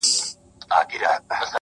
ستا د پښو ترپ ته هركلى كومه;